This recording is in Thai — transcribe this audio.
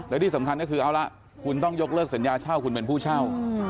และที่สำคัญก็คือเอาละคุณต้องยกเลิกสัญญาเช่าคุณเป็นผู้เช่า